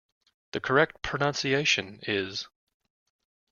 The correct pronunciation is.